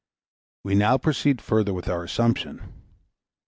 We now proceed further with our assumption.